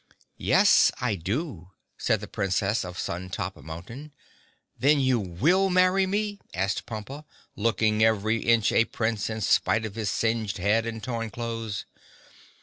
"Yes, I do," said the Princess of Sun Top Mountain. "Then, you will marry me?" asked Pompa, looking every inch a Prince in spite of his singed head and torn clothes.